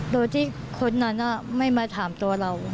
โดยที่คนนั้นไม่มาถามตัวเรา